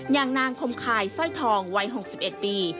อย่างนางคมคายสร้อยทองวัย๖๑ปี